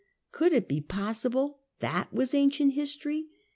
Could it be pos sible that was ancient history?